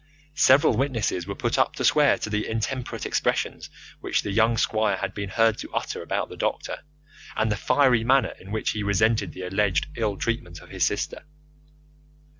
Several witnesses were put up to swear to the intemperate expressions which the young squire had been heard to utter about the doctor, and the fiery manner in which he resented the alleged ill treatment of his sister.